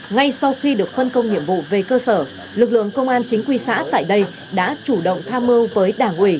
ngay sau khi được phân công nhiệm vụ về cơ sở lực lượng công an chính quy xã tại đây đã chủ động tham mưu với đảng ủy